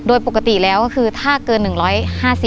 โดยปกติแล้วถ้าเกิน๑๕๐บาท